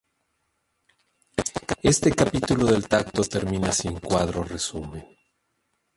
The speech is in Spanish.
Este capítulo del tacto termina sin cuadro resumen.